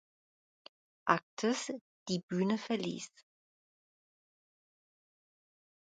Aktes die Bühne verließ.